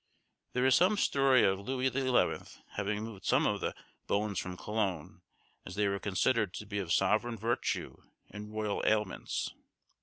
There is some story of Louis the Eleventh having moved some of the bones from Cologne, as they were considered to be of sovereign virtue in royal ailments.